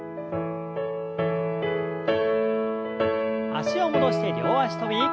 脚を戻して両脚跳び。